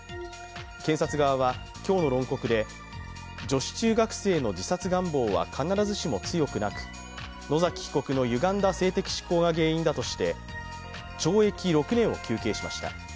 検察側は今日の論告で、女子中学生の自殺願望は必ずしも強くなく、野崎被告のゆがんだ性的指向が原因だとして懲役６年を求刑しました。